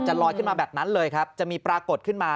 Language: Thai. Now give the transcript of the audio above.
ลอยขึ้นมาแบบนั้นเลยครับจะมีปรากฏขึ้นมา